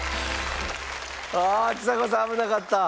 ああちさ子さん危なかった。